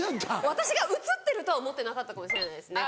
私が写ってるとは思ってなかったかもしれないですね